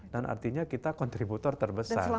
dan artinya kita kontributor terbesar di sana